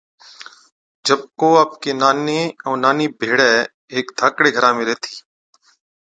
جڪو آپڪي ناني ائُون نانِي ڀيڙَي هيڪي ڌاڪڙي گھرا ۾ ريهٿِي۔